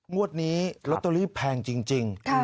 งวดนี้ลอตเตอรี่แพงจริง